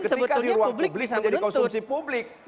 ketika di ruang publik menjadi konsumsi publik